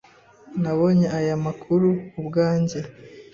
Nabonye aya makuru ubwanjye.